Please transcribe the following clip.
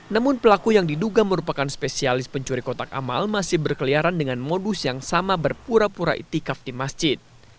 namun pelaku yang diduga merupakan spesialis pencuri kotak amal masih berkeliaran dengan modus yang sama berpura pura itikaf di masjid